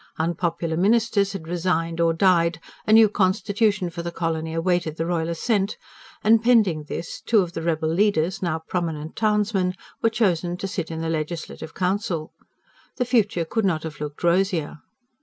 Unpopular ministers had resigned or died; a new constitution for the colony awaited the Royal assent; and pending this, two of the rebel leaders, now prominent townsmen, were chosen to sit in the Legislative Council. The future could not have looked rosier.